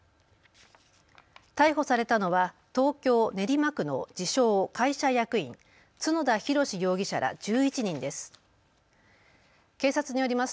逮捕されたのは東京練馬区の自称、会社役員、角田弘容疑者ら１１人です。